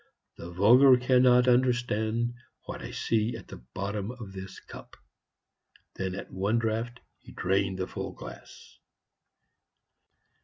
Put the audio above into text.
"The vulgar cannot understand what I see at the bottom of this cup." Then, at one draught, he drained the full glass.